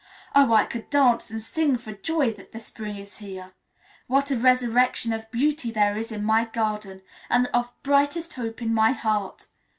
Oh, I could dance and sing for joy that the spring is here! What a resurrection of beauty there is in my garden, and of brightest hope in my heart!